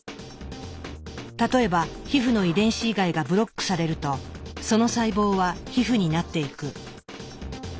例えば皮膚の遺伝子以外がブロックされるとその細胞は皮膚になっていく。